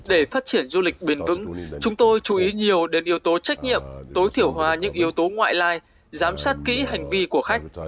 để phát triển du lịch bền vững chúng tôi chú ý nhiều đến yếu tố trách nhiệm tối thiểu hòa những yếu tố ngoại lai giám sát kỹ hành vi của khách